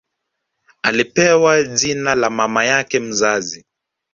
Alipewa jina la mama yake mzazi